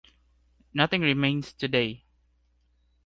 Nothing remains today.